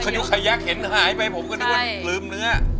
ยุขยักเห็นหายไปผมก็นึกว่าลืมเนื้อ